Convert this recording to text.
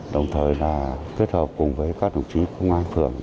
đồng thời là kết hợp cùng với các đồng chí công an phường